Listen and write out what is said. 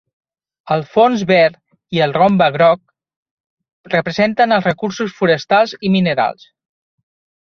El fons verd i el rombe groc representen els recursos forestals i minerals.